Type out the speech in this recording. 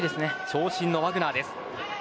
長身のワグナーです。